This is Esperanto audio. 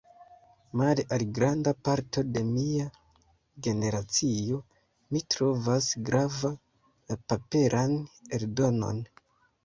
Male al granda parto de mia generacio, mi trovas grava la paperan eldonon.